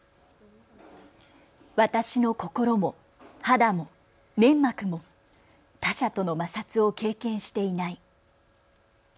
私の心も、肌も、粘膜も、他者との摩擦を経験していない。